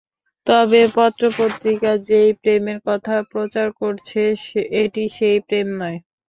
তবে, পত্র-পত্রিকা যেই প্রেমের কথা প্রচার করছে, এটি সেই প্রেম নয়।